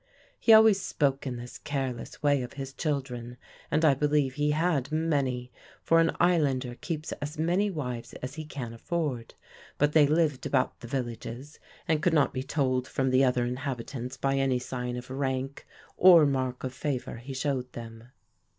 He always spoke in this careless way of his children, and I believe he had many, for an islander keeps as many wives as he can afford; but they lived about the villages, and could not be told from the other inhabitants by any sign of rank or mark of favour he showed them.